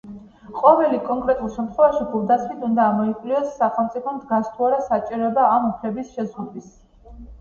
ყოველ კონკრეტულ შემთხვევაში გულდასმით უნდა გამოიკვლიოს სახელმწიფომ დგას თუ არა საჭიროება ამ უფლების შეზღუდვის.